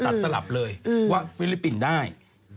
สลับเลยว่าฟิลิปปินส์ได้